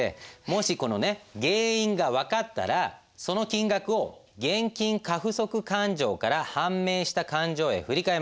もしこのね原因が分かったらその金額を現金過不足勘定から判明した勘定へ振り替えます。